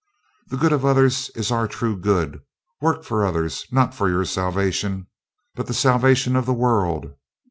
The good of others is our true good; work for others; not for your salvation, but the salvation of the world."